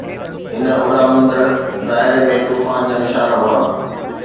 هن اڏامندڙ دائري ۾ طوفان جا نشان هئا.